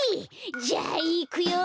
じゃあいくよ。